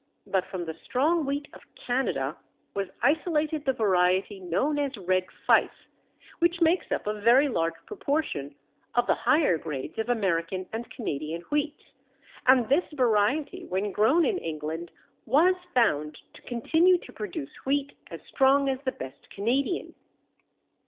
But from the strong wheat of Canada was isolated the variety known as Red Fife, which makes up a very large proportion of the higher grades of American and Canadian wheats, and this variety when grown in England was found to continue to produce wheat as strong as the best Canadian.